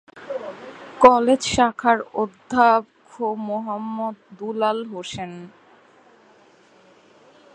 College শাখার উপাধ্যক্ষ মোহাম্মদ দুলাল হোসেন।